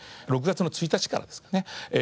６月の１日からですね